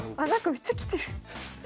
めっちゃ来てる。